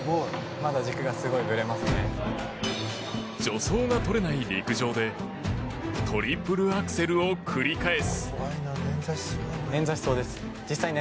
助走がとれない陸上でトリプルアクセルを繰り返す。